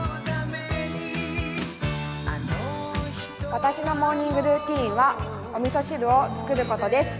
私のモーニングルーチンはおみそ汁を作ることです。